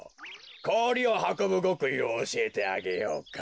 こおりをはこぶごくいをおしえてあげようか。